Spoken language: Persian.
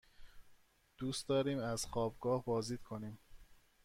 دوست داریم از خوابگاه بازدید کنیم.